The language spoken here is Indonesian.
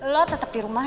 lo tetep di rumah